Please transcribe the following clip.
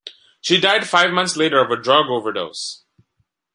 She died five months later of a drug overdose.